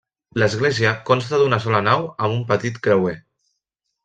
L'església consta d'una sola nau amb un petit creuer.